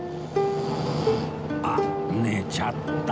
あっ寝ちゃった